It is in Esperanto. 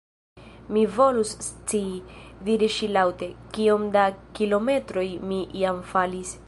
"Mi volus scii," diris ŝi laŭte, "kiom da kilometroj mi jam falis."